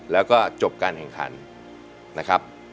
แล้วก็จบการแข่งขันนะครับ